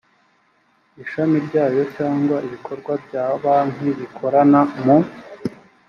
ishami ryayo cyangwa ibikorwa bya banki bikorana mu